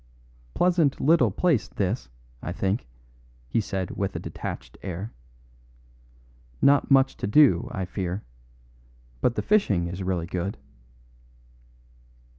"Pleasant little place, this, I think," he said with a detached air. "Not much to do, I fear; but the fishing is really good."